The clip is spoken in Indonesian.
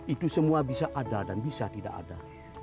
itu semua bisa ada dan bisa tidak ada